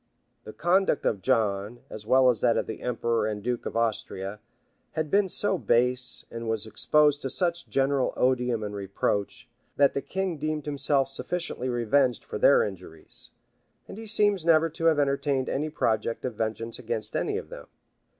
The conduct of John, as well as that of the emperor and duke of Austria, had been so base, and was exposed to such general odium and reproach, that the king deemed himself sufficiently revenged for their injuries; and he seems never to have entertained any project of vengeance against any of them.